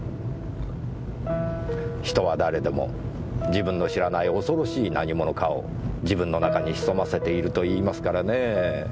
人は誰でも自分の知らない恐ろしい何ものかを自分の中に潜ませていると言いますからねぇ。